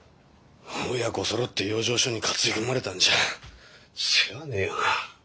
親子そろって養生所に担ぎ込まれたんじゃ世話ねえよな。